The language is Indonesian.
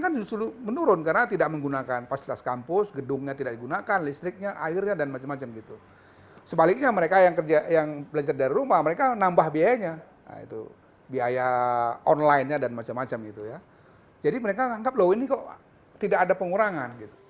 kementerian pendidikan dan kebudayaan yang saat ini dipimpin oleh nadiem makarim